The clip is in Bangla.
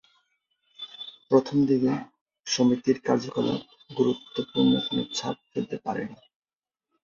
প্রথম দিকে সমিতির কার্যকলাপ গুরুত্বপূর্ণ কোনো ছাপ ফেলতে পারেনি।